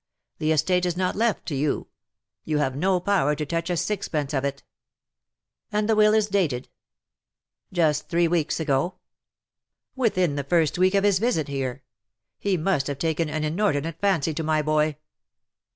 The estate is not left to you — you have no power to touch a sixpence of it.^' " And the will is dated ?"" Just three weeks ago.^^ " Within the first week of this visit here. He must have taken an inordinate fancy to my boy."